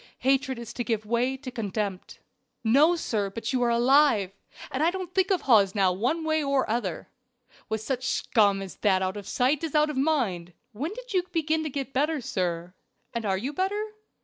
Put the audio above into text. Hatred is to give way to contempt." "No, sir, but you are alive, and I don't think of Hawes now one way or other with such scum as that out of sight is out of mind. When did you begin to get better, sir? and are you better?